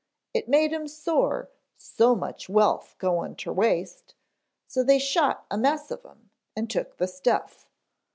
It made 'em sore so much wealth goin' ter waste, so they shot a mess of 'em and took the stuff.